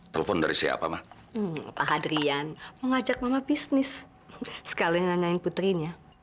sampai jumpa di video selanjutnya